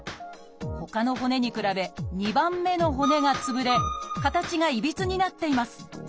ほかの骨に比べ２番目の骨がつぶれ形がいびつになっています。